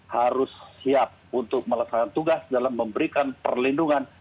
harus siap untuk melaksanakan tugas dalam memberikan perlindungan